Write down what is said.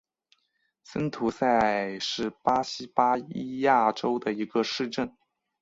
森图塞是巴西巴伊亚州的一个市镇。